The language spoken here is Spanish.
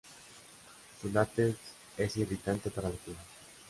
Su látex es irritante para la piel.